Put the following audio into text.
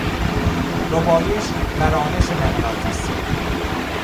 ربایش و رانش مغناطیسی